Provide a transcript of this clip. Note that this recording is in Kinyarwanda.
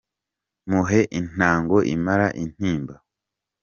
Muhe intango imara intimba